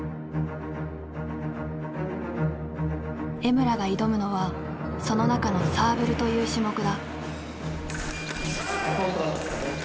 江村が挑むのはその中の「サーブル」という種目だ。